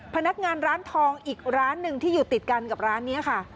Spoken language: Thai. พนักงานร้านทองอีกร้านหนึ่งที่อยู่ติดกันกับร้านนี้ค่ะ